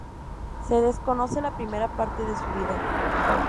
Se desconoce la primera parte de su vida.